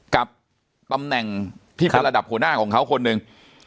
กับตำแหน่งที่เป็นระดับหัวหน้าของเขาคนหนึ่ง